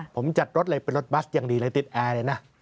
ผมจัดรถเลยเป็นรถบัสอย่างดีเลยติดแอร์เลยนะ